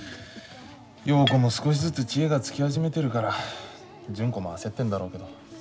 陽子も少しずつ知恵がつき始めてるから純子も焦ってるんだろうけど。